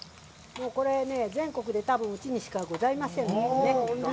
これね、全国で多分うちにしかございませんのでね。